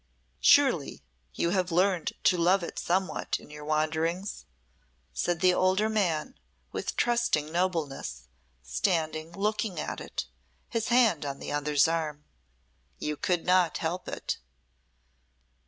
"Surely you have learned to love it somewhat in your wanderings?" said the older man with trusting nobleness, standing looking at it, his hand on the other's arm. "You could not help it."